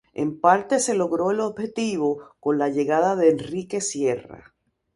En parte se logró el objetivo, con la llegada de Enrique Sierra.